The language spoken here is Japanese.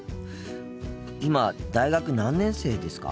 今大学何年生ですか？